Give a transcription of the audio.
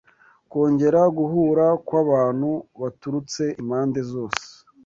kongera guhura kw’abantu baturutse impande zose,